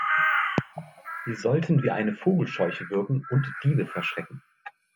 Sie sollten wie eine Vogelscheuche wirken und Diebe verschrecken.